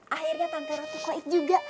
akhirnya tangkar roti kloik juga